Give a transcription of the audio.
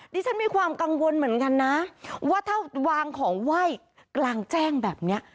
ดิฉันมีความกังวลเหมือนกันนะว่าถ้าวางของไหว้กลางแจ้งแบบนี้